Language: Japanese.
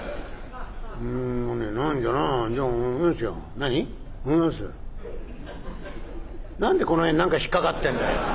「何でこの辺何か引っかかってんだよ？